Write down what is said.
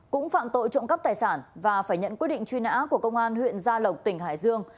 cũng phạm tội trộm cắp tài sản và phải nhận quyết định truy nã của công an huyện gia lộc tỉnh hải dương